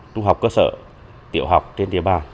trung học cơ sở tiểu học trên địa bàn